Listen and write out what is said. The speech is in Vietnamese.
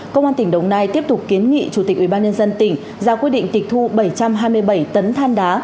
công an tỉnh đồng nai tiếp tục kiến nghị chủ tịch ubnd tỉnh ra quyết định tịch thu bảy trăm hai mươi bảy tấn than đá